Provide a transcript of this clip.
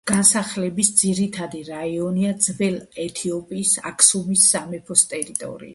განსახლების ძირითადი რაიონია ძველი ეთიოპიის აქსუმის სამეფოს ტერიტორია.